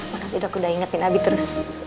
makasih dok udah ingetin abit terus